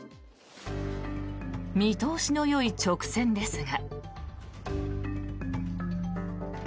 見通しのよい直線ですが。